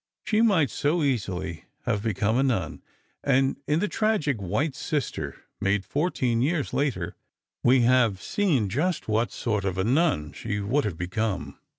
She might so easily have become a nun; and in the tragic "White Sister," made fourteen years later, we have seen just what sort of a nun she would have become.